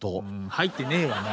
入ってねえわな